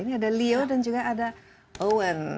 ini ada leo dan juga ada owen